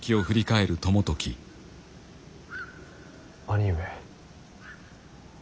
兄上。